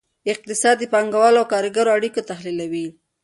اقتصاد د پانګوالو او کارګرو اړیکې تحلیلوي.